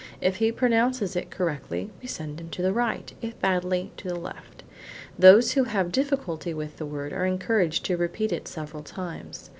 If he pronounces it correctly, we send him to the right, if badly, to the left. Those who have difficulty with the word, are then encouraged to repeat it several times.